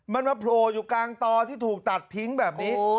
มันมาโผล่อยู่กลางตอที่ถูกตัดทิ้งแบบนี้